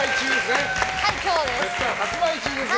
発売中ですね。